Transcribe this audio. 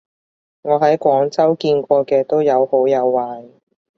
我喺廣州見過嘅都有好有壞